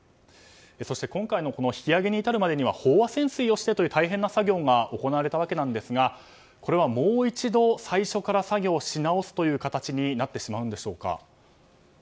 そして今回の引き揚げに至るまでには飽和潜水をしてという大変な作業が行われたわけですがこれはもう一度、最初から作業をし直すという形になってしまうんでしょうか。